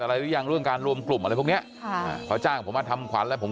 อะไรหรือยังร่วมกลุ่มปุ๋ลของเนี่ยพอจ้างผมมาทำขวรแล้วผม